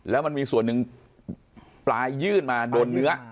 แล้วมันมีส่วนหนึ่งปลายยื่นมาโดนเนื้อ